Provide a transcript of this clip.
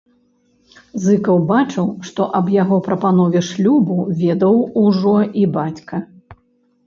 Зыкаў бачыў, што аб яго прапанове шлюбу ведае ўжо і бацька.